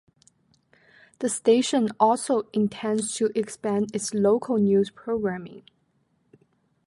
The station also intends to expand its local news programming.